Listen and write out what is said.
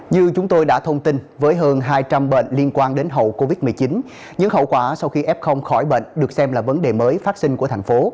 như chúng tôi đã thông tin với hơn hai trăm linh bệnh liên quan đến hậu covid một mươi chín những hậu quả sau khi f khỏi bệnh được xem là vấn đề mới phát sinh của thành phố